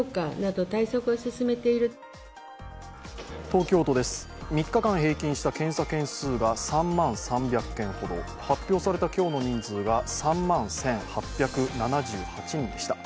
東京都です、３日間平均した検査件数が３万３００件ほど、発表された今日の人数が３万１８７８人でした。